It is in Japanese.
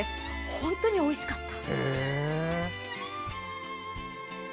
本当においしかった。